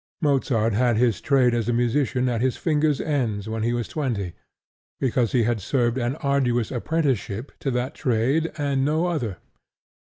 Mozart had his trade as a musician at his fingers' ends when he was twenty, because he had served an arduous apprenticeship to that trade and no other.